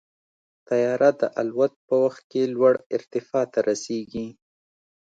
طیاره د الوت په وخت کې لوړ ارتفاع ته رسېږي.